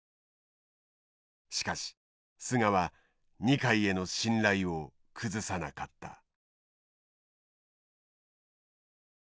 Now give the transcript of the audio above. しかし菅は二階への信頼を崩さなかった。